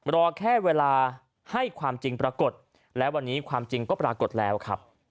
รอแค่เวลาให้ความจริงปรากฏและวันนี้ความจริงก็ปรากฏแล้วครับ